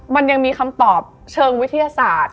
มันยังมีคำตอบเชิงวิทยาศาสตร์